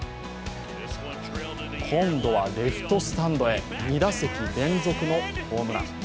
今度はレフトスタンドへ２打席連続のホームラン。